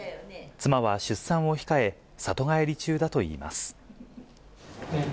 妻は出産を控え、里帰り中だといいます。